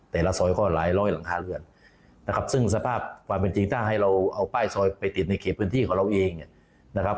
แต่ละซอยก็หลายร้อยหลังคาเรือนนะครับซึ่งสภาพความเป็นจริงถ้าให้เราเอาป้ายซอยไปติดในเขตพื้นที่ของเราเองเนี่ยนะครับ